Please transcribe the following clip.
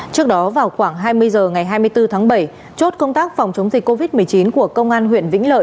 trước đó vào khoảng hai mươi h ngày hai mươi bốn tháng bảy chốt công tác phòng chống dịch covid một mươi chín của công an huyện vĩnh lợi